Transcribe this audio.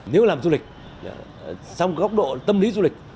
nếu làm du lịch xong góc độ tâm lý du lịch